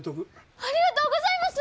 ありがとうございます！